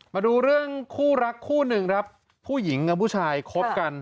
มาดูเรื่องคู่รักคู่หนึ่งครับผู้หญิงกับผู้ชายคบกัน